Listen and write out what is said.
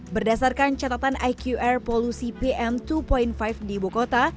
berdasarkan catatan iqr polusi pm dua lima di ibu kota